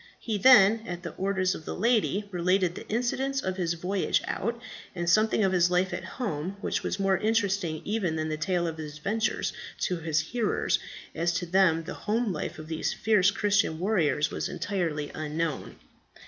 He then, at the orders of the lady, related the incidents of his voyage out, and something of his life at home, which was more interesting even than the tale of his adventures to his hearers, as to them the home life of these fierce Christian warriors was entirely unknown.